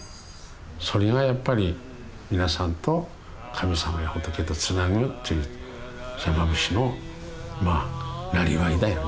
それがやっぱり皆さんと神様や仏とつなぐという山伏のまあなりわいだよね。